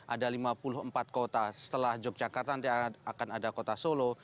ada lima puluh empat kota setelah yogyakarta nanti akan ada kota solo